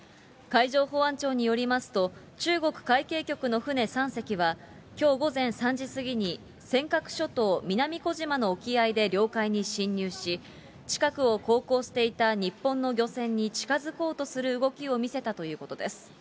海上保安庁によりますと、中国海警局の船３隻は、きょう午前３時過ぎに、尖閣諸島南小島の沖合で領海に侵入し、近くを航行していた日本の漁船に近づこうとする動きを見せたということです。